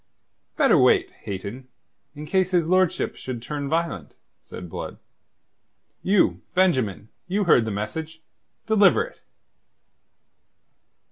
"Better wait, Hayton, in case his lordship should turn violent," said Blood. "You, Benjamin, you heard the message. Deliver it."